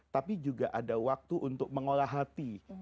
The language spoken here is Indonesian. tapi juga ada waktu untuk mengolah hati